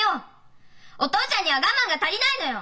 お父ちゃんには我慢が足りないのよ！